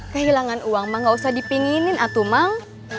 kehilangan uang mang gak usah dipinginin atu mang